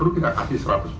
kalau perlu kita kasih